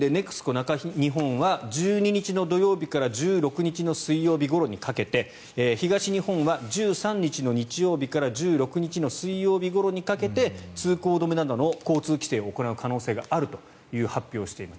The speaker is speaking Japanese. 中日本は１２日の土曜日から１６日の水曜日ごろにかけて東日本は１３日の日曜日から１６日の水曜日ごろにかけて通行止めなどの交通規制を行う可能性があると発表しています。